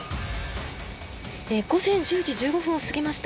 午前１０時１５分を過ぎました。